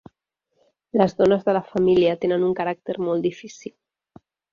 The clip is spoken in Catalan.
Les dones de la família tenen un caràcter molt difícil.